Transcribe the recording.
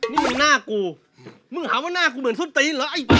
นี่มันหน้ากูมึงหาว่าหน้ากูเหมือนส้นตีนเหรอไอ้